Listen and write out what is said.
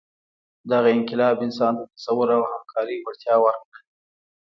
دغه انقلاب انسان ته د تصور او همکارۍ وړتیا ورکړه.